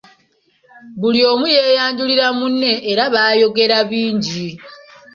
Buli omu yeeyanjulira munne era baayogera bingi.